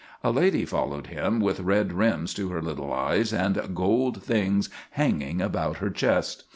A lady followed him with red rims to her little eyes and gold things hanging about her chest.